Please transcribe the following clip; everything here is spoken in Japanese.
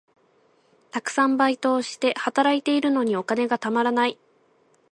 たくさんバイトをして、働いているのにお金がたまらない。